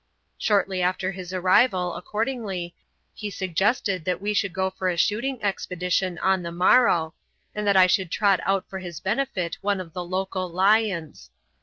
Shortly after his arrival, accordingly, he suggested that we should go for a shooting expedition on the morrow, and that I should trot out for his benefit one of the local lions.